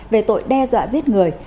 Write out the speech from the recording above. về tội đe dọa giết người